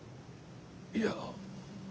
いや。